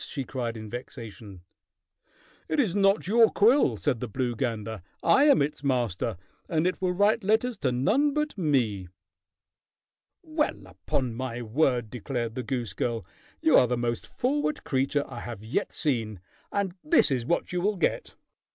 she cried in vexation. "It is not your quill," said the blue gander. "I am its master, and it will write letters to none but me." "Well, upon my word!" declared the goose girl. "You are the most forward creature I have yet seen, and this is what you will get."